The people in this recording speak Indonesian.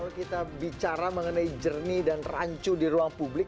kalau kita bicara mengenai jernih dan rancu di ruang publik